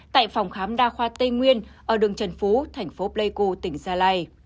tại phòng khám đa khoa tây nguyên ở đường trần phú thành phố pleiku tỉnh gia lai